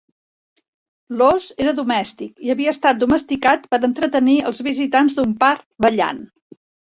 L'ós era domèstic i havia estat domesticat per entretenir als visitants d'un parc ballant.